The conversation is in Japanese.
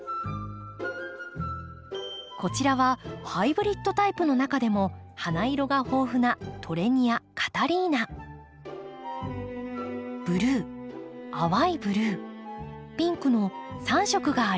こちらはハイブリッドタイプの中でも花色が豊富なブルー淡いブルーピンクの３色があります。